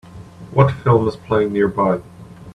What film is playing nearby